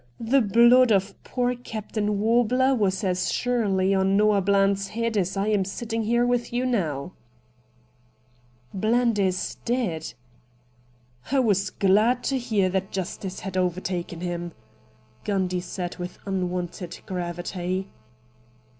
The blood of poor Captain Warbler was as surely on Noah Bland's head as I am sitting here with you now.' ' Bland is dead.' ' I was glad to hear that justice had AN INTERVIEW WITH MR. RATT GUNDY 239 overtaken him,' Gundy said with unwonted gravity.